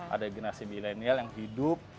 ada generasi milenial yang hidup